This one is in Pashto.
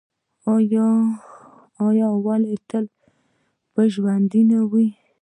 آیا او تل به ژوندی نه وي؟